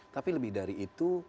tapi lebih dari itu